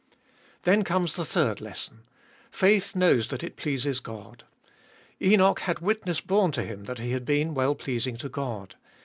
Then comes the third lesson — faith knows that it pleases God. Enoch had witness borne to him that he had been well pleasing to God.